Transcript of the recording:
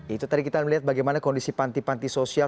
itu tadi kita melihat bagaimana kondisi panti panti sosial